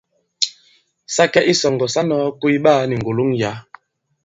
Sa kɛ i isɔ̀ŋgɔ̀ sa nɔ̄ɔ koy ɓaā ni ŋgòloŋ yǎ.